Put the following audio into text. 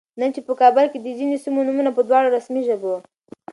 نن چې په کابل کې د ځینو سیمو نومونه په دواړو رسمي ژبو